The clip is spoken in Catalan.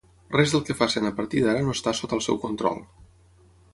Res del que facin a partir d'ara no està sota el seu control.